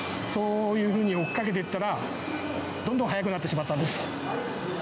そういうふうに追っかけていったら、どんどん早くなってしまったんです。